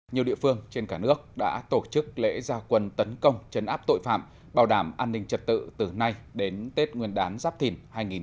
nhiều địa phương trên cả nước đã tổ chức lễ gia quân tấn công chấn áp tội phạm bảo đảm an ninh trật tự từ nay đến tết nguyên đán giáp thìn hai nghìn hai mươi bốn